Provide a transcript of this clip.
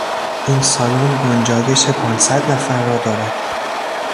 این سالن گنجایش پانصد نفر را دارد.